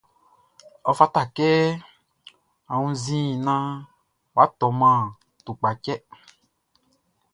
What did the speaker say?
Ɔ fata kɛ a wunnzin naan wʼa tɔman tukpachtɛ.